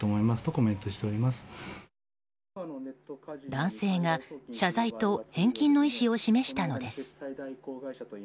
男性が謝罪と返金の意思を示したのです。